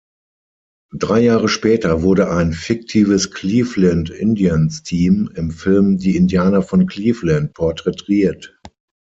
Drei Jahre später wurde ein fiktives Cleveland-Indians-Team im Film Die Indianer von Cleveland porträtiert.